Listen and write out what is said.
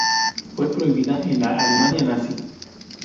Fue prohibida en la Alemania nazi.